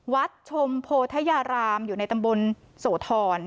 วัดชมโพธยารามอยู่ในตำบลโสธร